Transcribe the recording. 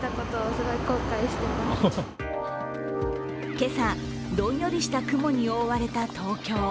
今朝、どんよりした雲に覆われた東京。